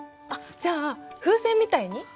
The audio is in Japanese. じゃあ風船みたいに？